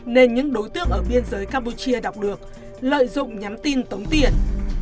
nên những đối tượng ở biên giới campuchia đọc được lợi dụng nhắn tin tống tiền